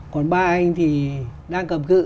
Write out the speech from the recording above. còn ba anh thì đang cầm cự